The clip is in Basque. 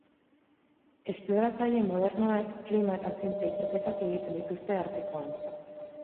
Esploratzaile modernoek klima eta zientzia ikerketak egiten dituzte Artikoan.